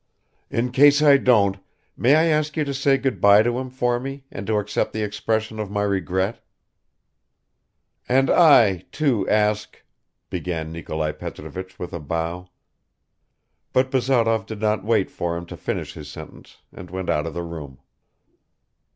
"In case I don't, may I ask you to say good by to him for me and to accept the expression of my regret." "And I, too, ask ..." began Nikolai Petrovich with a bow. But Bazarov did not wait for him to finish his sentence and went out of the room.